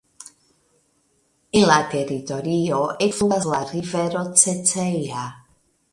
En la teritorio ekfluas la rivero Ceceja.